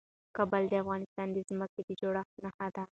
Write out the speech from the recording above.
کابل د افغانستان د ځمکې د جوړښت نښه ده.